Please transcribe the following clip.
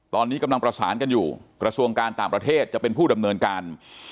ตอนนี้กำลังประสานกันอยู่กระทรวงการต่างประเทศจะเป็นผู้ดำเนินการ